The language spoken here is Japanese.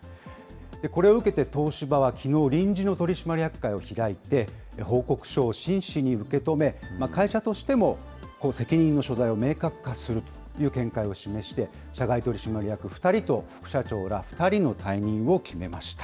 これを受けて東芝はきのう、臨時の取締役会を開いて、報告書を真摯に受け止め、会社としても責任の所在を明確化するという見解を示して、社外取締役２人と副社長ら２人の退任を決めました。